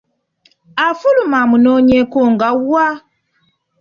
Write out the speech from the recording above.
Afuluma amunoonyeeko nga wa!